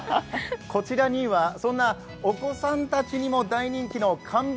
こちらにはそんなお子さんたちにも大人気の看板